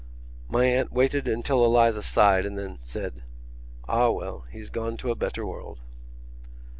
My aunt waited until Eliza sighed and then said: "Ah, well, he's gone to a better world."